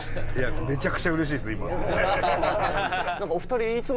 めちゃくちゃうれしいです今。